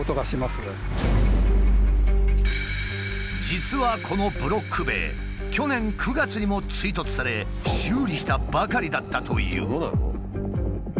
実はこのブロック塀去年９月にも追突され修理したばかりだったという。